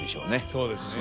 そうですね。